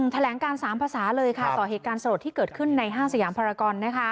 แถลงการ๓ภาษาเลยค่ะต่อเหตุการณ์สลดที่เกิดขึ้นในห้างสยามภารกร